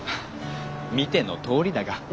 見てのとおりだが。